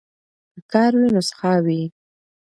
که کار وي نو سخا وي.